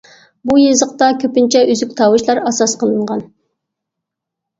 بۇ يېزىقتا كۆپىنچە ئۈزۈك تاۋۇشلار ئاساس قىلىنغان.